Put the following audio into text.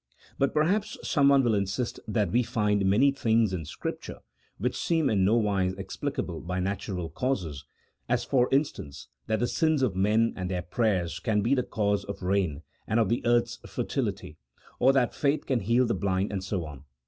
But perhaps someone will insist that we find many things in Scripture which seem in nowise explicable by natural causes, as for instance, that the sins of men and their prayers can be the cause of rain and of the earth's fertility, or that faith can heal the blind, and so on.